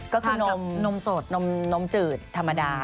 ก็คือนมสดนมจืดธรรมดา